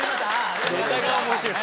ネタが面白い。